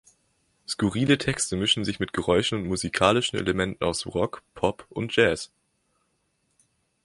Skurrile Texte mischen sich mit Geräuschen und musikalischen Elementen aus Rock, Pop und Jazz.